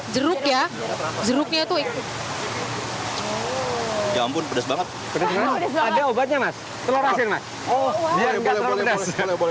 jeruk ya jeruknya tuh ya ampun pedes banget pedes banget ada obatnya mas telur asin mas